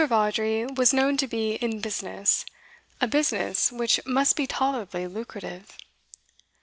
Vawdrey was known to be 'in business,' a business which must be tolerably lucrative.